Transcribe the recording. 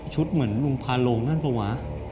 ชุดเหมือนลุงพาโลงนั่นปะวะ